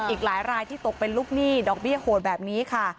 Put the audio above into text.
อีกหลายรายที่ตกเป็นลูกหนี้ดอกเบี้ยโหดแบบนี้ค่ะ